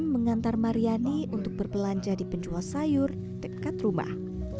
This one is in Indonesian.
bukan patah ini rencek sudah